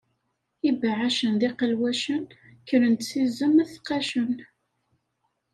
Ibeɛɛacen d iqelwacen, kkren-d s izem ad t-qqacen.